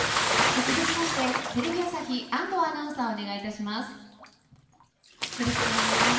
続きまして、テレビ朝日、あんどうアナウンサー、お願いいたします。